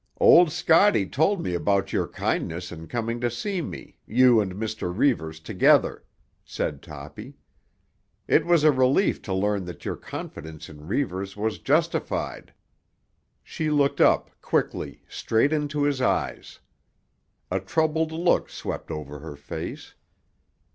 "Old Scotty told me about your kindness in coming to see me, you and Mr. Reivers together," said Toppy. "It was a relief to learn that your confidence in Reivers was justified." She looked up quickly, straight into his eyes. A troubled look swept over her face.